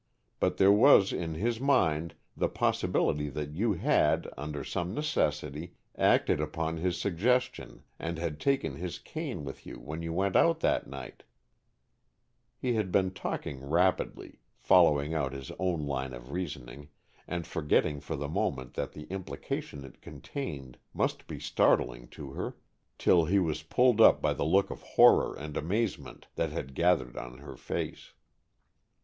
But there was in his mind the possibility that you had, under some necessity, acted upon his suggestion, and had taken his cane with you when you went out that night, " He had been talking rapidly, following out his own line of reasoning, and forgetting for the moment that the implication it contained must be startling to her, till he was pulled up by the look of horror and amazement that had gathered on her face.